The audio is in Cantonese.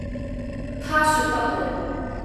她說不餓